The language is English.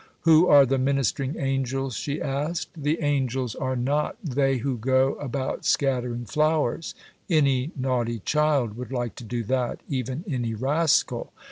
Who are the "ministering angels"? she asked. "The Angels are not they who go about scattering flowers: any naughty child would like to do that, even any rascal.